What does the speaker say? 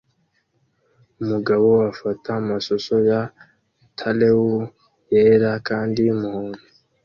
Umugabo afata amashusho ya taleul yera kandi yumuhondo